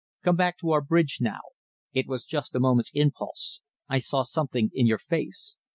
Come back to our bridge now. It was just a moment's impulse I saw something in your face.